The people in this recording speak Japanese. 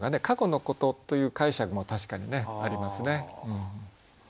過去のことという解釈も確かにありますね。